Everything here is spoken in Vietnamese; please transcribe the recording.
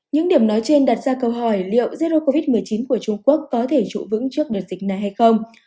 những điểm nói trên đặt ra câu hỏi liệu erdo covid một mươi chín của trung quốc có thể trụ vững trước đợt dịch này hay không